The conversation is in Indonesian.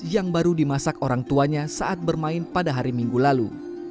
yang baru dimasak orang tuanya saat bermain pada hari minggu lalu